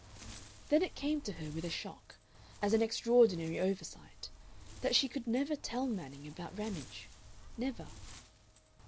Then it came to her with a shock, as an extraordinary oversight, that she could never tell Manning about Ramage never.